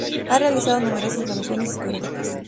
Ha realizado numerosas grabaciones discográficas.